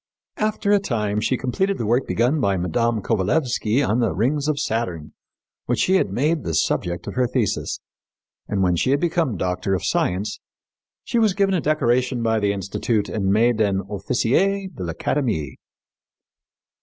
After a time she completed the work begun by Mme. Kovalévsky on the rings of Saturn, which she made the subject of her thesis, and, when she had become Doctor of Science, she was given a decoration by the Institute and made an Officier de l'Académie."